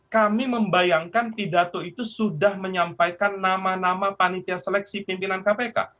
kami membayangkan pidato itu sudah menyampaikan nama nama panitia seleksi pimpinan kpk